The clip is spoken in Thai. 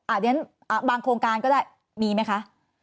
อาจจะบางโครงการก็ได้มีไหมคะ